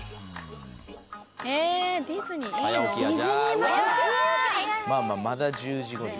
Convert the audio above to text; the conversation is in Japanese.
まあまあまだ１０時５０分。